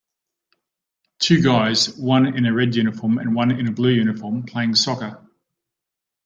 Two guys one in a red uniform and one in a blue uniform playing soccer.